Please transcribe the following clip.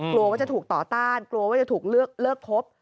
กลัวว่าจะถูกต่อต้านกลัวว่าจะถูกเลิกครบ